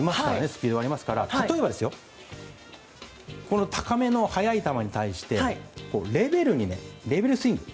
スピードもありますから例えば高めの速い球に対してレベルスイング。